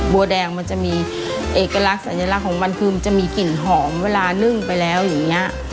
บัวแดงมันจะมีเอกลักษณ์สัญลักษณ์ของมันคือมันจะมีกลิ่นหอมเวลานึ่งไปแล้วอย่างนี้